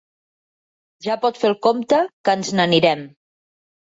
Ja pot fer el compte, que ens n'anirem.